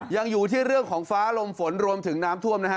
ยังอยู่ที่เรื่องของฟ้าลมฝนรวมถึงน้ำท่วมนะฮะ